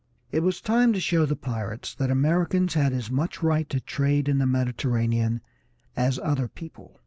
It was time to show the pirates that Americans had as much right to trade in the Mediterranean as other people.